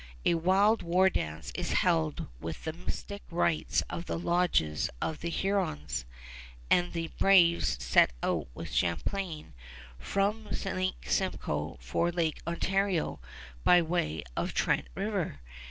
A wild war dance is held with mystic rites in the lodges of the Hurons; and the braves set out with Champlain from Lake Simcoe for Lake Ontario by way of Trent River.